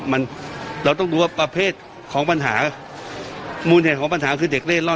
มันเราต้องดูว่าประเภทของปัญหามูลเหตุของปัญหาคือเด็กเล่นร่อ